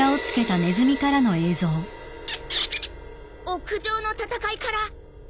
屋上の戦いから逃れた！